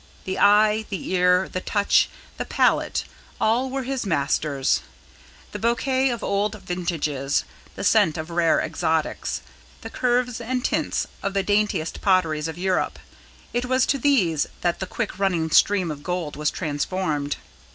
The eye, the ear, the touch, the palate, all were his masters. The bouquet of old vintages, the scent of rare exotics, the curves and tints of the daintiest potteries of Europe, it was to these that the quick running stream of gold was transformed.